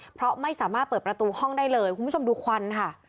เพราะไม่สามารถเปิดประตูห้องได้เลยคุณผู้ชมดูควันค่ะ